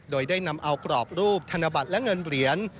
โดยได้นำเอากรอบรูปธนบัตรและเงินเหรียญ